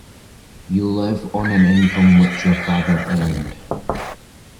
You live on an income which your father earned.